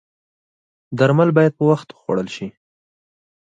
درمل باید په وخت وخوړل شي